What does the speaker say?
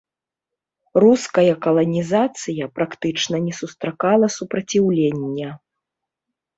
Руская каланізацыя практычна не сустракала супраціўлення.